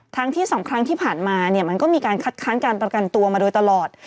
ทั้งที่๒ครั้งที่ผ่านมาเนี่ยมันก็มีการคัดค้านการประกันตัวมาโดยตลอด